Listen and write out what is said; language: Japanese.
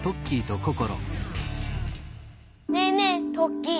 ねえねえトッキー。